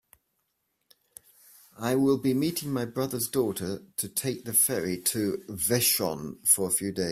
I will be meeting my brother's daughter to take the ferry to Vashon for a few days.